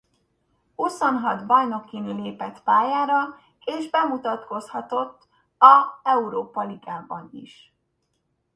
Huszonhat bajnokin lépett pályára és bemutatkozhatott a Európa-ligában is.